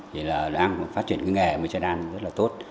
thì đang phát triển nghề mơ chế đan rất là tốt